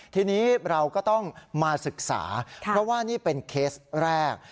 ทีนี้เราก็ต้องมาศึกษาเพราะว่านี่เป็นเคสแรก